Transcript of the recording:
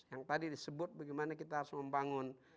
yang tadi disebut bagaimana kita harus membangun